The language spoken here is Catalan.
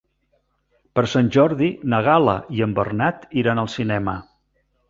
Per Sant Jordi na Gal·la i en Bernat iran al cinema.